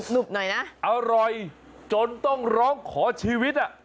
บหน่อยนะอร่อยจนต้องร้องขอชีวิตอ่ะ